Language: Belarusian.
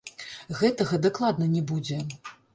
Гэтага дакладна не будзе!